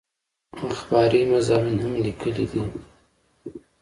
اخباري مضامين هم ليکلي دي